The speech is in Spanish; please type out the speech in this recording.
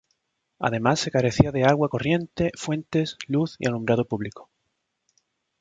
Además se carecía de agua corriente, fuentes, luz y alumbrado público.